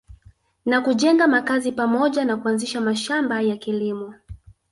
Na kujenga makazi pamoja na kuanzisha mashamba ya kilimo